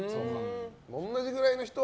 同じぐらいの人は？